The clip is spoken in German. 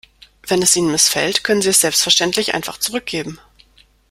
Wenn es Ihnen missfällt, können Sie es selbstverständlich einfach zurückgeben.